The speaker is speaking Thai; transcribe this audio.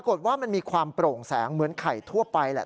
ว่ามันมีความโปร่งแสงเหมือนไข่ทั่วไปแหละ